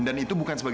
dan itu bukan sebabnya